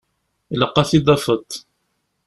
Ilaq ad t-id-tafeḍ.